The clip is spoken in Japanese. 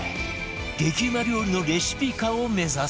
激うま料理のレシピ化を目指す